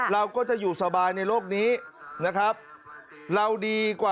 เราก็จะอยู่สบายในโลกนี้นะครับ